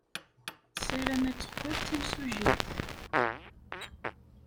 Tessaram ad teqqel d timsujjit.